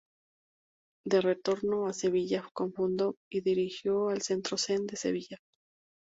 De retorno a Sevilla, cofundó y dirigió el Centro Zen de Sevilla.